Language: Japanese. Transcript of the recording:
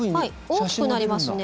大きくなりますね。